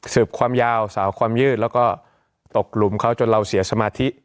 ความยาวสาวความยืดแล้วก็ตกหลุมเขาจนเราเสียสมาธิ